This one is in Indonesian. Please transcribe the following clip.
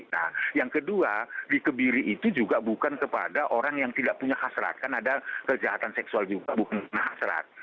nah yang kedua dikebiri itu juga bukan kepada orang yang tidak punya hasrat kan ada kejahatan seksual juga bukan hasrat